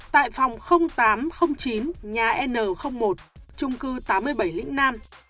tại phòng tám trăm linh chín nhà n một trung cư tám mươi bảy lĩnh nam